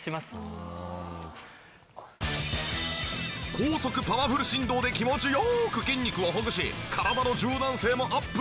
高速パワフル振動で気持ち良く筋肉をほぐし体の柔軟性もアップ！